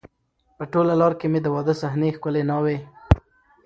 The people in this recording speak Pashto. په ټوله لار کې مې د واده صحنې، ښکلې ناوې،